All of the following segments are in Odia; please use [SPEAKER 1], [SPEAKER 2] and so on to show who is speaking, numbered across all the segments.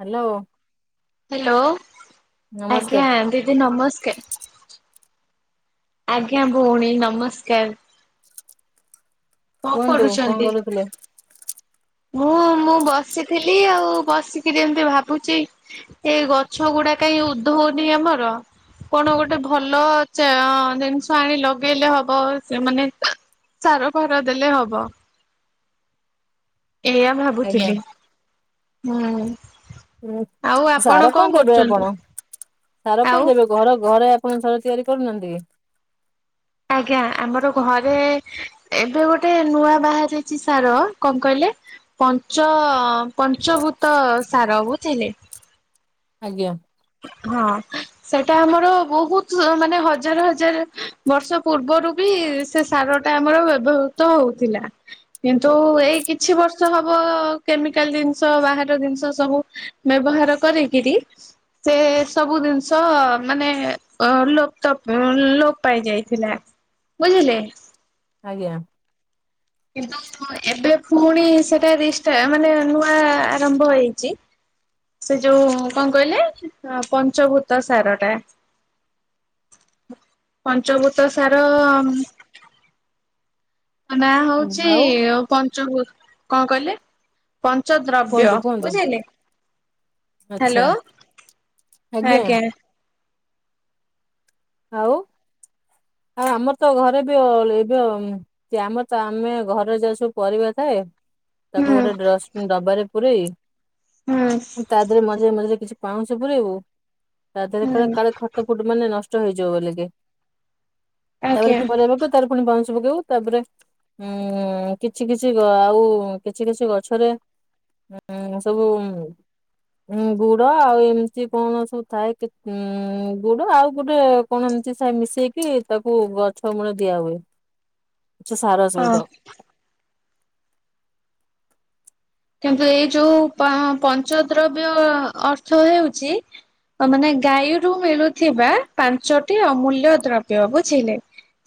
[SPEAKER 1] ହ୍ୟାଲୋ
[SPEAKER 2] ହ୍ୟାଲୋ
[SPEAKER 1] ନମସ୍କାର
[SPEAKER 2] ଆଜ୍ଞା ଦିଦି ନମସ୍କାର। ଆଜ୍ଞା ଭଉଣୀ ନମସ୍କାର କଣ
[SPEAKER 1] କୁହନ୍ତୁ କଣ
[SPEAKER 2] କରୁଛନ୍ତି?
[SPEAKER 1] କରୁଥିଲେ।
[SPEAKER 2] ମୁଁ ମୁଁ ବସିଥିଲି ଆଉ ବସିକିରି ଏମିତି ଭାବୁଛି। ଏ ଗଛ ଗୁଡା କାହିଁ ଉଦ୍ଧଉନି ଆମର କଣ ଗୋଟେ ଭଲ ଜିନିଷ ଆଣି ଲଗେଇଲେ ହବ ସେମାନେ ସାର ଫାର ଦେଲେ ହବ। ଏଇଆ
[SPEAKER 1] ଆଜ୍ଞା
[SPEAKER 2] ଭାବୁଥିଲି। ହୁଁ
[SPEAKER 1] ଉଁ
[SPEAKER 2] ଆଉ
[SPEAKER 1] ସାର
[SPEAKER 2] ଆପଣ କ
[SPEAKER 1] କଣ ଦେବେ ଆପଣ?
[SPEAKER 2] କରୁଛନ୍ତି?
[SPEAKER 1] ସାର କଣ
[SPEAKER 2] ଆଉ
[SPEAKER 1] ଦେବେ ଘର ଘରେ ଆପଣ ସାର ତିଆରି କରୁନାହାନ୍ତି କି?
[SPEAKER 2] ଆଜ୍ଞା ଆମର ଘରେ। ଏବେ ଗୋଟେ ନୂଆ ବାହାରିଛି ସାର କଣ କହିଲେ। ପଞ୍ଚ ପଞ୍ଚଭୂତ ସାର ବୁଝିଲେ
[SPEAKER 1] ଆଜ୍ଞା
[SPEAKER 2] ହଁ ସେଟା ଆମର ବହୁତ ମାନେ ହଜାର ହଜାର ବର୍ଷ ପୂର୍ବରୁ ବି ସେ ସାର ଟା ଆମର ବ୍ୟବହୃତ ହଉଥିଲା। କିନ୍ତୁ ଏଇ କିଛି ବର୍ଷ ହବ କେମିକାଲ ଜିନିଷ ବାହାର ଜିନିଷ ସବୁ ବ୍ୟବହାର କରିକିରି ସେ ସବୁ ଜିନିଷ ମାନେ ଲୋପ ତପ୍ ଲୋପ ପାଇ ଯାଇଥିଲା। ବୁଝିଲେ।
[SPEAKER 1] ଆଜ୍ଞା
[SPEAKER 2] କିନ୍ତୁ ଏବେ ପୁଣି ସେଟା ରିଷ୍ଟା ମାନେ ନୂଆ ଆରମ୍ଭ ହେଇଚି। ସେ ଯୋଉ କଣ କହିଲେ ପଞ୍ଚଭୂତ ସାର ଟା ପଞ୍ଚଭୃତ ସାର। ନାଁ
[SPEAKER 1] ହୁଁ
[SPEAKER 2] ହଉଛି
[SPEAKER 1] ଆଉ
[SPEAKER 2] ପଞ୍ଚଭୂ କଣ କହିଲେ ପଞ୍ଚ ଦ୍ରବ୍ୟ
[SPEAKER 1] କୁହନ୍ତୁ କୁହନ୍ତୁ
[SPEAKER 2] ବୁଝିଲେ। ହ୍ୟାଲୋ
[SPEAKER 1] ଆଚ୍ଛା
[SPEAKER 2] ଆଜ୍ଞା
[SPEAKER 1] ଆଉ ଆଉ ଆମର ତ ଘରେ [inaudible] ଆମର ତ ଆମେ ଘରେ ଯା ସବୁ ପରିବା ଥାଏ
[SPEAKER 2] ହୁଁ
[SPEAKER 1] ତାକୁ ଗୋଟେ ଡ୍ରଷ୍ଟବିନ୍ ଡବାରେ ପୁରେଇ
[SPEAKER 2] ହୁଁ
[SPEAKER 1] ତା ଦେହରେ ମଝିରେ ମଝିରେ କିଛି ପାଉଁଛ ପୁରେଈବୁ ତା ଦେହରେ କା
[SPEAKER 2] ହୁଁ
[SPEAKER 1] କାଳେ ଖତ ଫୁଟ ମାନେ ନଷ ଷ୍ଟ ହେଇଯିବ ବୋଲିକି ତାପରେ
[SPEAKER 2] ଆଜ୍ଞା
[SPEAKER 1] ପୁଣି ପରିବା ପକେଇବୁ ତା ପୁଣି ପାଉଁଶ ପକେଇବୁ ତାପରେ ଉଁ କିଛି କିଛି ଆଉ କିଛି କିଛି ଗଛରେ ହଁ ସବୁ ଉଁ ଗୁଡ ଆଉ ଏମିତି କଣ ସବୁ ଥାଏ ଉ ଗୁଡ ଆଉ ଗୋଟେ କଣ ଏମତି ସେ ମିଶେଇକି ତାକୁ ଗଛ ମୂଳେ ଦିଆ ହୁଏ। କିଛି ସାର
[SPEAKER 2] ହଁ।
[SPEAKER 1] ସହିତ
[SPEAKER 2] କିନ୍ତୁ ଏଇ ଯୋଉ ପଁ ପଞ୍ଚ ଦ୍ରବ୍ୟ ଅର୍ଥ ହେଉଚି। ମାନେ ଗାଈରୁ ମିଳୁଥିବା ପାଞ୍ଚଟି ଅମୂଲ୍ୟ ଦ୍ରବ୍ୟ ବୁଝିଲେ।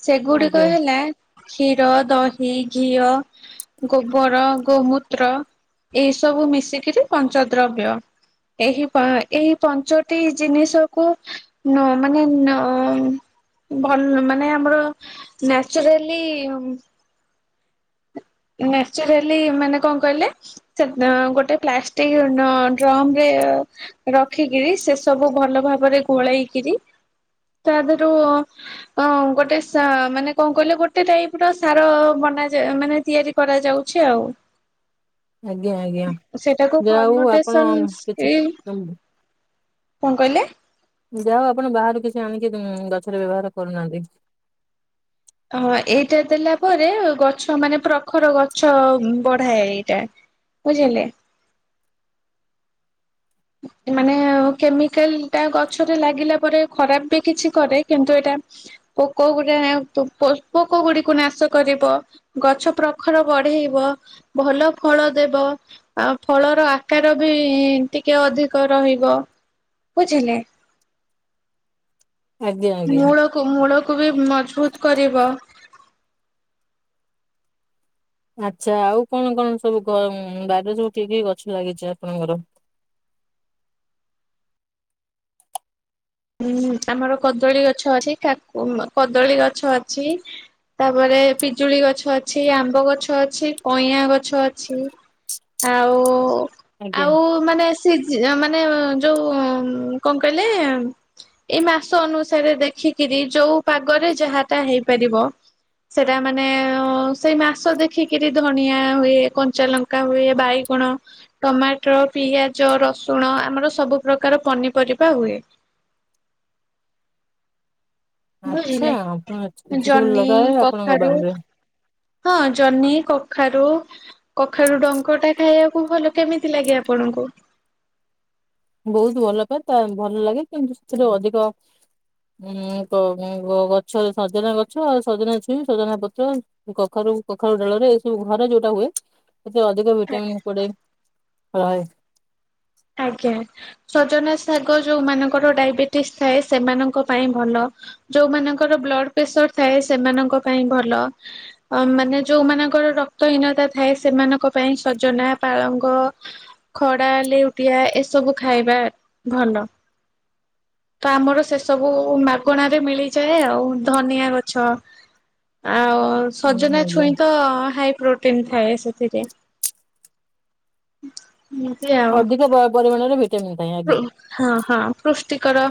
[SPEAKER 2] ସେଗୁଡିକ
[SPEAKER 1] ଆଜ୍ଞା
[SPEAKER 2] ହେଲା। କ୍ଷୀର ଦହି ଘିଅ ଗୋବର ଗୋମୂତ୍ର। ଏ ସବୁ ମିଶିକିରି ପଞ୍ଚ ଦ୍ରବ୍ୟ। ଏହି ପା ଏହି ପଞ୍ଚଟି ଜିନିଷକୁ ନ ମାନେ ନ ଭଲ ମାନେ ଆମର ନ୍ୟାଚୁରାଲି ନେଚୁରାଲି ମାନେ କ କହିଲେ ସେ ଗୋଟେ ପ୍ଲାଷ୍ଟିକ ଡ୍ର ଡ୍ରମ଼୍ଙରେ ରଖିକିରି ସେ ସବୁ ଭଲ ଭାବରେ ଗୋଳେଇକିରି ତା ଦେରୁ। ଅ ଗୋଟେ ସା ମାନେ କଣ କହିଲେ ଗୋଟେ ଟାଇପ ର ସାର ବନାଯାଏ ମାନେ ତିଆରି କରାଯାଉଛି ଆଉ।
[SPEAKER 1] ଆଜ୍ଞା ଆଜ୍ଞା
[SPEAKER 2] ସେଟାକୁ
[SPEAKER 1] ଯାହା ହଉ ଆପଣ
[SPEAKER 2] ଫର୍ମଟସନ
[SPEAKER 1] କିଛି
[SPEAKER 2] ସ୍କିଲି [inaudible] କଣ କହିଲେ?
[SPEAKER 1] ଯାହା ହଉ ଆପଣ ବାହାରୁ କିଛି ଆଣିକି ଗଛରେ ବ୍ୟବହାର କରୁନାହାନ୍ତି।
[SPEAKER 2] ହଁ ଏଇଟା ଦେଲା ପରେ ଗଛ ମାନେ ପ୍ରଖର ଗଛ ବଢାଏ ଏଇଟା। ବୁଝିଲେ? ମାନେ କେମିକାଲ ଟା ଗଛରେ ଲାଗିଲା ପରେ ଖରାପ ବି କିଛି କରେ କିନ୍ତୁ ଏଇଟା ପୋକ ଗୁଡା ପୋକ ଗୁଡିକୁ ନାଶ କରିବ। ଗଛ ପ୍ରଖର ବଢେଇବ। ଭଲ ଫଳ ଦେବ ଆ ଫଳର ଆକାର ବି ଟିକେ ଅଧିକ ରହିବ ବୁଝିଲେ।
[SPEAKER 1] ଆଜ୍ଞା ଆଜ୍ଞା।
[SPEAKER 2] ମୂଳକୁ ମୂଳକୁ ବି ମଜବୁତ କରିବ।
[SPEAKER 1] ଆଚ୍ଛା ଆଉ କଣ କଣ ସବୁ ବାରରେ ସବୁ ଠିକ ଗଛ ଲାଗିଛି ଆପଣଙ୍କର
[SPEAKER 2] ଉୁଁ ଆମର କଦଳୀ ଗଛ ଅଛି କାକୁ କଦଳୀ ଗଛ ଅଛି। ତାପରେ ପିଜୁଳି ଗଛ ଅଛି ଆମ୍ବ ଗଛ ଅଛି କଇଁ ଗଛ ଅଛି। ଆଉ
[SPEAKER 1] [inaudible]
[SPEAKER 2] ଆଉ ମାନେ ସେ ମାନେ ଯୋଉ କଣ କହିଲେ? ଏଇ ମାସ ଅନୁସାରେ ଦେଖିକିରି ଯୋଉ ପାଗରେ ଯାହାଟା ହେଇପାରିବ। ସେଟା ମାନେ ସେଇ ମାସ ଦେଖିକିରି ଧଣିିଆ ହୁଏ କଞ୍ଚାଲଙ୍କା କା ହୁଏ ବାଇ କଣ ଟମାଟର ପିଆଜ ରସୁଣ ଆମର ସବୁ ପ୍ରକାର ପନିପରିବା ହୁଏ।
[SPEAKER 1] ଆଚ୍ଛା
[SPEAKER 2] ବୁଝିଲେ
[SPEAKER 1] ଆପଣ କିଛି ସବୁ
[SPEAKER 2] ଜହ୍ନି
[SPEAKER 1] ଲଗା ଆପଣଙ୍କ
[SPEAKER 2] କଖାରୁ
[SPEAKER 1] ବାହରେ
[SPEAKER 2] ହଁ ଜହ୍ନି କଖାରୁ। କଖାରୁ ଡଙ୍କ ଟା ଖାଇବାକୁ ଭଲ କେମିତି ଲାଗେ ଆପଣଙ୍କୁ।
[SPEAKER 1] ବହୁତ ଭଲ ପାଏ ତା ଭଲ ଲାଗେ କିନ୍ତୁ ସେଥିରେ ଅଧିକ। ଉଁ ଗଛ ସଜନା ଗଛ ଆଉ ସଜନା ଛୁଇ ସଜନା ପତ୍ର। କଖାରୁ କଖାରୁ ଡଳରେ ଏ ସବୁ ଘର ଯୋଉଟା ହୁଏ। ସେଥିରେ ଅଧିକ ଭିଟାମିନ୍ କୁଡ଼େଇ ରହେ।
[SPEAKER 2] ଆଜ୍ଞା। ସଜନା ଶାଗ ଯୋଉମାନଙ୍କର ଡାଇବେଟିସ ଥାଏ ସେମାନଙ୍କ ପାଇଁ ଭଲ। ଯୋଉମାନଙ୍କର ବ୍ଲଡ ପ୍ରେସର ଥାଏ ସେମାନଙ୍କ ପାଇଁ ଭଲ। ଅ ମାନେ ଯୋଉମାନାନଙ୍କର ରକ୍ତହୀନତା ଥାଏ ସେମାନଙ୍କ ପାଇଁ ସଜନା ପାଳଙ୍ଗ। ଖରାା ଲେଉଟିଆ ଏସବୁ ଖାଇବା ଭଲ। ତ ଆମର ସେ ସବୁ ମାଗଣ ରେ ମିଳିଯାଏ ଆଉ ଧନିଆ ଗଛ ଆଉ
[SPEAKER 1] ହୁଁ,
[SPEAKER 2] ସଜନା
[SPEAKER 1] ଆଜ୍ଞା
[SPEAKER 2] ଛୁଇଁ ତ ହାଇ ପ୍ରୋଟିନ। ତିନ ଥାଏ ସେଥିରେ। ମୁ ଦିଆ।
[SPEAKER 1] ଅଧିକ ପରିମାଣରେ ଭିଟାମିନ୍। ଥାଏ ଆଜ୍ଞା।
[SPEAKER 2] ହଁ ହଁ ପୃଷ୍ଟିକର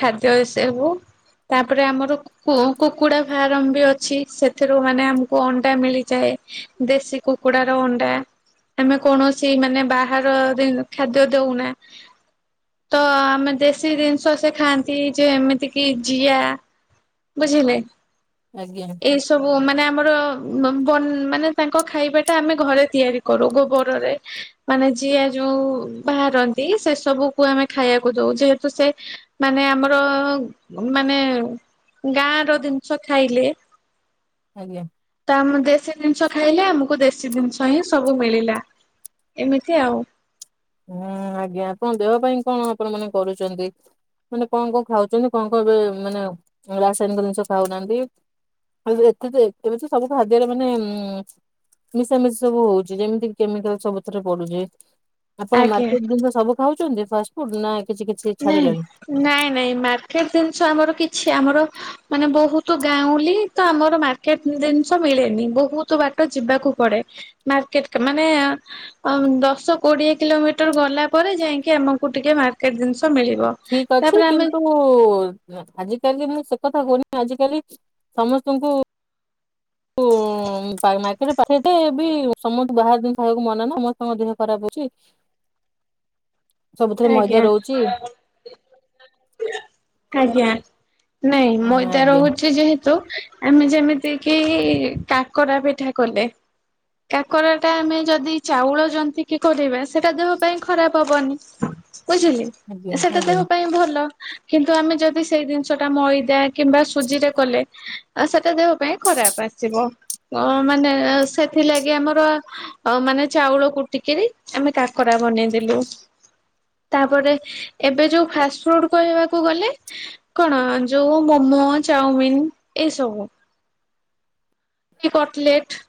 [SPEAKER 2] ଖାଦ୍ୟ ଏ ସେବୁ। ତାପରେ ଆମର କୁକୁଡା ଫାର୍ମ ବି ଅଛି ସେଥିରୁ ମାନେ ଆମକୁ ଅଣ୍ଡା ମିଳିଯାଏ। ଦେଶୀ କୁକୁଡାର ଅଣ୍ଡା ଆମେ କୌଣସି ମାନେ ବାହାର ଖାଦ୍ୟ ଦଉନା। ତ ଆମେ ଦେଶୀ ଜିନିଷ ସେ ଖାଆନ୍ତି ଯେ ଏମିତି କି ଜିଆ। ବୁଝିଲେ?
[SPEAKER 1] ଆଜ୍ଞା।
[SPEAKER 2] ଏଇ ସବୁ ମାନେ ଆମର ମାନେ ତାଙ୍କ ଖାଇବା ଟା ଆମେ ଘରେ ତିଆରି କରୁ ଗୋବରରେ ମାନେ ଯିଆ ଯୋଉ ବାହାରନ୍ତି ସେ ସବୁକୁ ଆମେ ଖାଇବାକୁ ଦଉ ଯେହେତୁ ସେ ମାନେ ଆମର ମାନେ ଗାଁ ର ଜିନିଷ ଖାଇଲେ
[SPEAKER 1] ଆଜ୍ଞା।
[SPEAKER 2] ତାଆମୁ ଦେଶୀ ଜିନିଷ ଖାଇଲେ ଆମକୁ ଦେଶୀ ଜିନିଷ ହିଁ ସବୁ ମିଳିଲା। ଏମିତି ଆଉ।
[SPEAKER 1] ହୁଁ ଆଜ୍ଞା କଣ ଆପଣ ଦେହ ପାଇଁ କଣ ଆପଣ ମାନେ କରୁଛନ୍ତି। ମାନେ କଣ କଣ ଖାଉଛନ୍ତି କଣ କଣ ଏ ମାନେ ରାସାୟନିକ ଜିନିଷ ଖାଉନାହାନ୍ତି। ଆଉ ଯେ ଏତେ ଯେ ଏବେ ତ ସବୁ ଖାଦ୍ୟରେ ମାନେ ଉ ମିଶାମିଶି ସବୁ ହଉଛି ଯେମିତିକି କେମିକାଲ୍ ସବୁଥିରେ ପଡୁଛି। ଆପଣ
[SPEAKER 2] ଆଜ୍ଞା।
[SPEAKER 1] ମାର୍କେଟ ଜିନିଷ ସବୁ ଖାଉଛନ୍ତି ଫାଷ୍ଟଫୁଡ୍ ନା କିଛି କିଛି
[SPEAKER 2] ନାଇଁ
[SPEAKER 1] ଛାଡିଲେଣି?
[SPEAKER 2] ନାଇଁ ନାଇଁ ମାର୍କେଟ୍ ଜିନିଷ ଆମର କିଛି ଆମର ମାନେ ବହୁତ ଗାଉଁଲି ତ ଆମର ମାର୍କେଟ୍ ଜିନିଷ ମିଳେନି ବହୁତ ବାଟ ଯିବାକୁ ପଡେ। ମାର୍କେଟ କ ମାନେ ଆଁ ଉଁ ଦଶ କୋଡିଏ କିଲୋମିଟର୍ ଗଲାପରେ ଯାଇକି ଆମକୁ ଟିକେ ମାର୍କେଟ ଜିନିଷ ମିଳିବ।
[SPEAKER 1] ଠିକ୍ ଅଛି
[SPEAKER 2] ତାପରେ ଆମେ
[SPEAKER 1] କିନ୍ତୁ, ନ୍ତୁ ଆଜି କାଲି ମୁଁ ସେ କଥା କହୁନି ଆଜିିକାଲି ସମସ୍ତଙ୍କୁ ଉଁ ଜା ମାର୍କେଟରେ ପାଖରେ ଥିଲେ ବି ସମସ୍ତଙ୍କୁ ବାହାର ଜିନିଷ ଖାଇବାକୁ ମନା ନା ସମସ୍ତଙ୍କ ଦେହ ଖରାପ ହଉଛି।
[SPEAKER 2] [inaudible]
[SPEAKER 1] ସବୁଥିରେ ମଇଦା
[SPEAKER 2] ଆଜ୍ଞା
[SPEAKER 1] ରହୁଛି
[SPEAKER 2] ଆଜ୍ଞା। ନାଇଁ ମଇଦା
[SPEAKER 1] ଆଜ୍ଞା
[SPEAKER 2] ରହୁଛି ଯେହେତୁ ତୁ ଆମେ ଯେମିତି କିି କାକରା ପିଠା କଲେ କାକରା ଟା ଆମେ ଯଦି ଚାଉଳ ଜନ୍ତିକିି କରିବା ସେଇଟା ଦେହ ପାଇଁ ଖରାପ ହବନି। ବୁଝିଲେ
[SPEAKER 1] ଆଜ୍ଞା
[SPEAKER 2] ସେଟା
[SPEAKER 1] ଆଜ୍ଞା
[SPEAKER 2] ଦେହ ପାଇଁ ଭଲ। କିନ୍ତୁ ଆମେ ଯଦି ସେଇ ଜିନିଷଟା ମଇଦା କିମ୍ବା ସୁଜିରେ କଲେ ଆ ସେଟା ଦେହ ପାଇଁ ଖରାପ ଆସିବ ଅ ମାନେ ସେଥିଲାଗି ଆମର ଅ ମାନେ ଚାଉଳ କୁଟିକିରି ଆମେ କାକରା ବନେଇଦେଲୁ। ତାପରେ ଏବେ ଯୋଉ ଫାଷ୍ଟ ଫୁଡ୍ କହିବାକୁ ଗଲେ କଣ ଯୋଉ ମୋମୋ ଚାଉମିିନ୍ ଏଇସବୁ। କି କଟଲେଟ୍।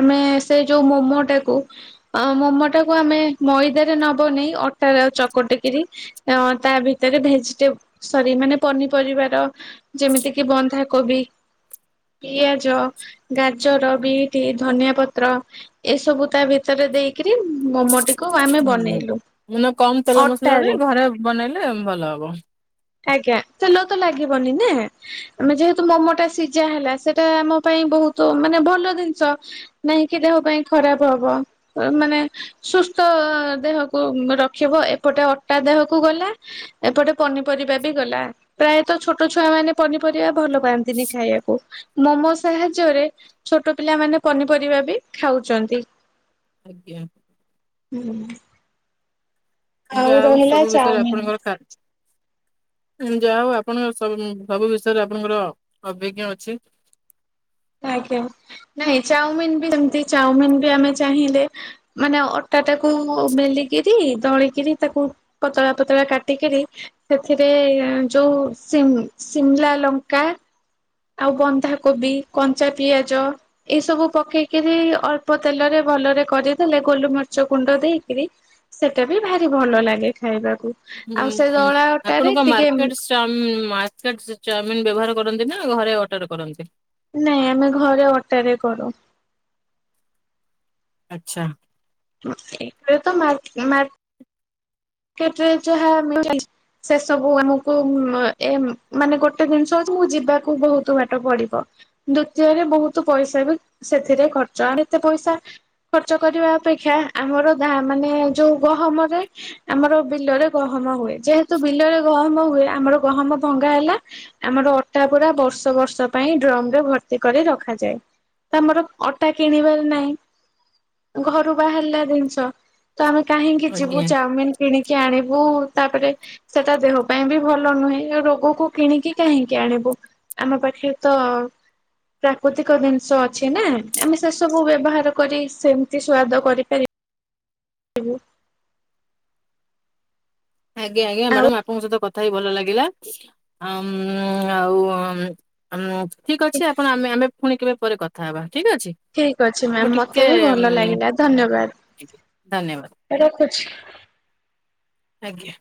[SPEAKER 2] ଆମେ ସେ ଯୋଉ ମୋମୋ ଟାକୁ ଅ ମୋମୋ ଟାକୁୁ ଆମେ ମଇଦାରେ ନବନେଇ ଅଟାରେ ଆଉ ଚକଟିକିରି ଅ ତା ଭିତରେ ଭେଜିଟେବୁ ସରି ମାନେ ପନିପରିବାର ଯେମିତି କିି ବନ୍ଧାକୋବି, ପିଆଜ, ଗାଜର, ବିଟ୍ କି ଧନିଆ ପତ୍ର ଏସବୁ ତା ଭିତରେ ଦେଇକିରି ମୋମୋ ଟି
[SPEAKER 1] ହୁଁ ହୁଁ ମାନେ କମ୍ ତେଲ ମସଲାରେ
[SPEAKER 2] ଅଟାରେ
[SPEAKER 1] ଘରେ ବନେଇଲେ ଭଲ ହବ।
[SPEAKER 2] ଆଜ୍ଞା ତେଲ ତ ଲାଗିବନି ନା। ଆମେ ଯେହେତୁ ମୋମୋଟା ସିଝା ହେଲା ସେଟା ଆମ ପାଇଁ ବହୁତ ମାନେ ଭଲ ଜିନି ସ ନାହିଁକି ଦେହ ପାଇଁ ଖରାପ ହବ। ମାନେ ସୁସ୍ଥ ଦେହକୁ ରଖିବ ଏପଟେ ଅଟା ଦେହକୁ ଗଲା ଏପଟେ ପନିପରିବା ବି ଗଲା। ପ୍ରାୟତଃ ଛୋଟ ଛୁଆ ମାନେ ପନିପରିବା ଭଲ ପାଆନ୍ତିନି ଖାଇବାକୁ। ମୋମୋ ସାହାଯ୍ୟରେ ଛୋଟ ପିଲାମାନେ ପନିପରିବା ବି ଖାଉଛନ୍ତି।
[SPEAKER 1] ଆଜ୍ଞା।
[SPEAKER 2] ହୁଁ।
[SPEAKER 1] ଯାହା ହଉ ସବୁ ବିଷୟରେ
[SPEAKER 2] ଚାଉମିନ
[SPEAKER 1] ଆପଣଙ୍କର କା ଯାହା ହଉ ଆପଣଙ୍କ ସ ସବୁବିଷୟରେ ଆପଣଙ୍କର ଅଭିଜ୍ଞ ଅଛି।
[SPEAKER 2] ଆଜ୍ଞା ନାଇଁ ଚାଉମିିନ ବି ସେମତି ଚାଉମିିନ ବି ଆମେ ଚାହିଁଲେ ମାନେ ଅଟା ଟାକୁ ବେଲିକିରି ଦଳିକିରି ତାକୁ ପତଳା ପତଳା କାଟିକିରି ସେଥିରେ ଯୋଉ ସିମ୍ ସିମଲା ଲଙ୍କା ଆଉ ବନ୍ଧାକୋବି କଞ୍ଚା ପିଆଜ ଏ ସବୁ ପକେଇକରି ଅଳ୍ପ ତେଲରେ ଭଲରେ କରିଦେଲେ ଗୋଲମର୍ଚ ଗୁଣ୍ଡ ଦେଇକିରି ସେଟା ବି ଭାରି ଭଲ ଲାଗେ ଖାଇବାକୁ ଆଉ ସେ ଦଳାଟାରେ ଟିକେ
[SPEAKER 1] ତ ମାର୍କେଟ ଚାଉମିିନ ବ୍ୟବହାର କରନ୍ତି ନା ଘରେ ଅଟାରେ କରନ୍ତି?
[SPEAKER 2] ନାଇ ଆମେ ଘରେ ଅଟାରେ କରୁ।
[SPEAKER 1] ଆଛା।
[SPEAKER 2] ଏବେ ତ ମା ମା କେତେ ଯାହା [unintelligible] ସେ ସବୁ ଆମକୁ ଏ ମାନେ ଗୋଟେ ଜିନିଷ ହଉଛି ମୁଁ ଯିବାକୁ ବହୁତ ବାଟ ପଡିବ। ଦ୍ଵିତୀୟରେ ବହୁତ ପଇସା ବି ସେଥିରେ ଖର୍ଚ୍ଚ ଆଡେ ଏତେ ପଇସା ଖର୍ଚ୍ଚ କରିବା ଅପେକ୍ଷା ଆମର ଦାମାନେ ଯୋଉ ଗହମରେ ଆମର ବିଲରେ ଗହମ ହୁଏ ଯେହେତୁ ବିଲରେ ଗହମ ହୁଏ ଆମର ଗହମ ଭଙ୍ଗା ହେଲା ଆମର ଅଟା ପୁରା ବର୍ଷ ବର୍ଷ ପାଇଁ ଡ୍ରମ ରେ ଭର୍ତ୍ତି କରି ରଖାଯାଏ। ଆମର ଅଟା କିଣିବାର ନାହିଁ ଘରୁ ବାହାରିଲା ଜିନିଷ। ତ ଆମେ କାହିଁକି
[SPEAKER 1] ଆଜ୍ଞା
[SPEAKER 2] ଯିବୁ ଚାଉମିିନ କିଣିକି ଆଣିବୁ ତାପରେ ସେଟା ଦେହ ପାଇଁ ବି ଭଲ ନୁହେଁ ରୋଗକୁ କିଣିକି କାହିଁକି ଆଣିବୁ। ଆମ ପାଖେ ତ ପ୍ରାକୃତିକ ଜିନିଷ ଅଛି ନା ଆମେ ସେ ସବୁ ବ୍ୟବହାର କରି ସେମିତି ସୁଆଦ କରିପାରି
[SPEAKER 1] ଆଜ୍ଞା ଆଜ୍ଞା
[SPEAKER 2] ଆଉ
[SPEAKER 1] ମ୍ୟାଡ଼ାମ ଆପଣଙ୍କ ସହିତ କଥା ହେଇ ଭଲ ଲାଗିଲା ଆମ୍ ଆଉ ଆମ ଠିକ ଅଛି ଆପଣ ଆମେ ଆମେ ପୁଣି କେବେ ପରେ କଥା ହବା ଠିକ ଅଛି।
[SPEAKER 2] ଠିକ ଅଛି
[SPEAKER 1] ମୁଁ
[SPEAKER 2] ମ୍ୟାମ୍ ମତେ
[SPEAKER 1] ଟିକେ
[SPEAKER 2] ବି ଭଲ
[SPEAKER 1] ଉଁ
[SPEAKER 2] ଲାଗିଲା
[SPEAKER 1] ଧନ୍ୟବାଦ
[SPEAKER 2] ଧନ୍ୟବାଦ ରଖୁଛି।
[SPEAKER 1] ଆଜ୍ଞା।